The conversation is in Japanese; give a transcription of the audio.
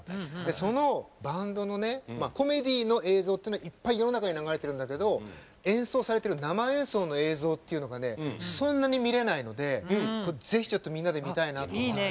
そのバンドのコメディーの映像っていうのはいっぱい世の中に流れてるんだけど演奏されてる生演奏の映像っていうのがそんなに見れないので是非みんなで見たいなと思って。